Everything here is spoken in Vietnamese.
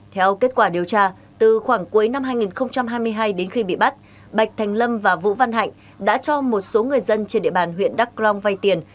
theo kết quả điều tra từ khoảng cuối năm hai nghìn hai mươi hai đến khi bị bắt bạch thành lâm và vũ văn hạnh đã cho một số người dân trên địa bàn huyện đắk long vay tiền